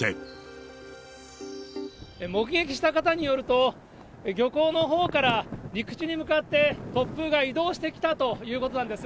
目撃した方によると、漁港のほうから陸地に向かって突風が移動してきたということなんです。